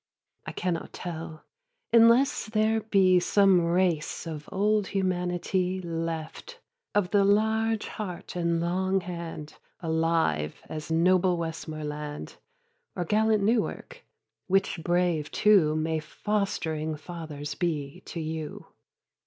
I cannot tell: unless there be Some race of old humanity Left, of the large heart and long hand, Alive, as noble Westmorland; Or gallant Newark; which brave two May fost'ring fathers be to you.